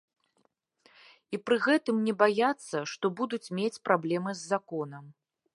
І пры гэтым не баяцца, што будуць мець праблемы з законам.